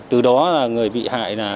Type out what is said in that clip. từ đó là người bị hại